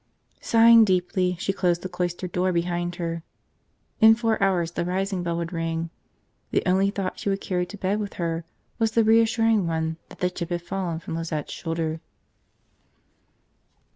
Sighing deeply, she closed the cloister door behind her. In four hours the rising bell would ring. The only thought she would carry to bed with her was the reassuring one that the chip had fallen from Lizette's shoulder.